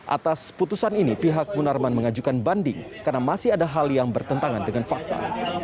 atas putusan ini pihak munarman mengajukan banding karena masih ada hal yang bertentangan dengan fakta